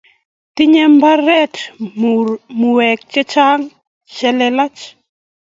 tinyei mbare mauek chechang' che lelach